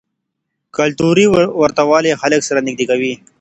کلتوري ورته والی خلک سره نږدې کوي.